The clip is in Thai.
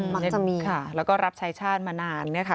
มักจะมีค่ะแล้วก็รับใช้ชาติมานานนะคะ